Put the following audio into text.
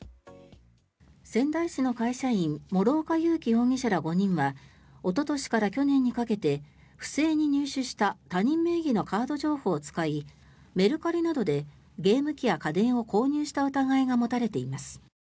仙台市の会社員諸岡佑樹容疑者ら５人はおととしから去年にかけて不正に入手した他人名義のカード情報を使いメルカリなどでゲーム機や家電を購入した疑いが持たれています。